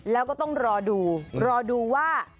แล้วก็ต้องรอดูรอดูว่า